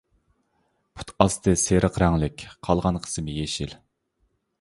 پۇت ئاستى سېرىق رەڭلىك، قالغان قىسمى يېشىل.